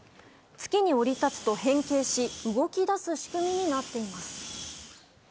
月に降り立つと変形し動き出す仕組みになっています。